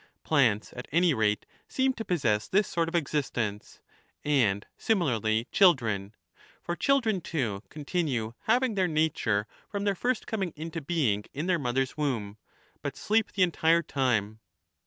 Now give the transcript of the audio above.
Plants at any rate 5 seem to possess this sort of existence, and similarly children ; for children, too, continue having their nature from their first coming into being in their mother's womb, but sleep the entire time.